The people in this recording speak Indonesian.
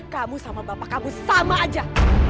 kamu sama bapak kamu sama aja